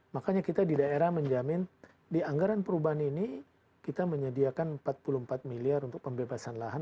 makanya kita di daerah menjamin di anggaran perubahan ini kita menyediakan empat puluh empat miliar untuk pembebasan lahan